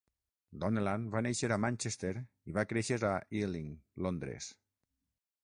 Donnellan va néixer a Manchester i va créixer a Ealing, Londres.